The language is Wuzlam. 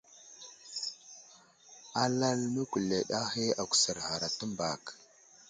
Alal məkuled ahe agusar ghar a təmbak.